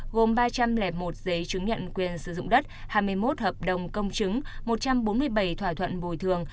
gồm ba trăm linh một giấy chứng nhận quyền sử dụng đất hai mươi một hợp đồng công chứng một trăm bốn mươi bảy thỏa thuận bồi thường